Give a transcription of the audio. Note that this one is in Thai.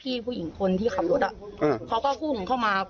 ผู้หญิงคนที่ขับรถอ่ะเขาก็พุ่งเข้ามา